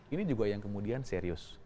ini juga yang kemudian serius